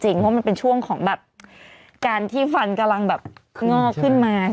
เพราะมันเป็นช่วงของแบบการที่ฟันกำลังแบบงอกขึ้นมา